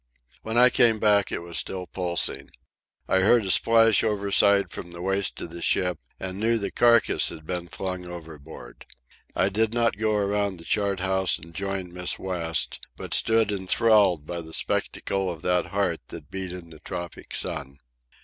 When I came back it was still pulsing. I heard a splash overside from the waist of the ship, and knew the carcass had been flung overboard. I did not go around the chart house and join Miss West, but stood enthralled by the spectacle of that heart that beat in the tropic heat.